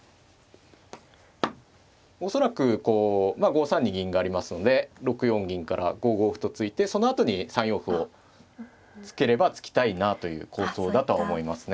恐らくこう５三に銀がありますので６四銀から５五歩と突いてそのあとに３四歩を突ければ突きたいなという構想だと思いますね。